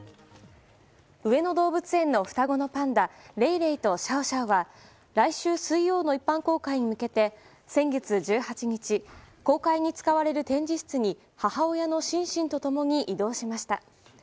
上野動物園の双子のパンダレイレイとシャオシャオは来週水曜の一般公開に向けて先月１８日公開に使われる展示室に母親のシンシンと共に移動しました。